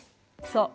そう。